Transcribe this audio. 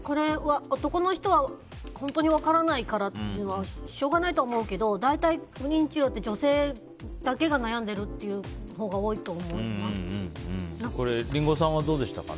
男の人は本当に分からないからっていうのはしょうがないとは思うけど大体、不妊治療って女性だけが悩んでるっていうほうがリンゴさんはどうでしたか？